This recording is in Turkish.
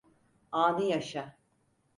Anı yaşa.